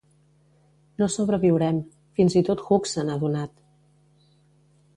No sobreviurem, fins i tot Hux se n'ha adonat!